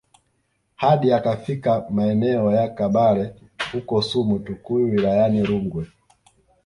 hadi akafika maeneo ya kabale huko suma tukuyu wilayani rungwe